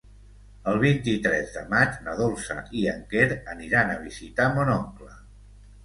El vint-i-tres de maig na Dolça i en Quer aniran a visitar mon oncle.